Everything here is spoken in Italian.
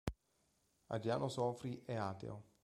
Adriano Sofri è ateo.